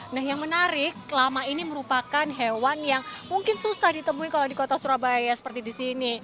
nah yang menarik lama ini merupakan hewan yang mungkin susah ditemui kalau di kota surabaya seperti di sini